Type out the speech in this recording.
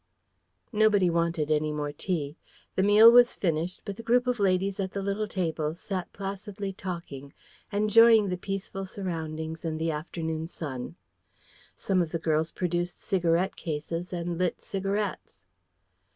Nobody wanted any more tea. The meal was finished; but the groups of ladies at the little tables sat placidly talking, enjoying the peaceful surroundings and the afternoon sun. Some of the girls produced cigarette cases, and lit cigarettes.